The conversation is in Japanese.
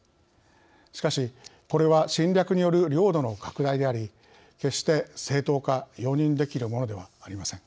しかしこれは侵略による領土の拡大であり決して正当化容認できるものではありません。